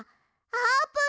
あーぷん！